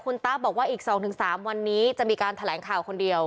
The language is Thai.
คุณตาบอกว่าอีก๒๓วันนี้จะมีการแถลงข่าวคนเดียว